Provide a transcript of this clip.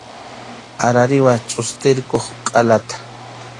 Arariwa chʼustirqukuq qʼalata.